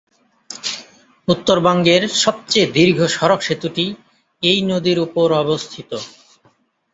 উত্তরবঙ্গের সবচেয়ে দীর্ঘ সড়ক সেতুটি এই নদীর উপর অবস্থিত।